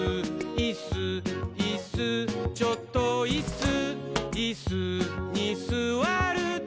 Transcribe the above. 「いっすーいっすーちょっといっすー」「イスにすわると」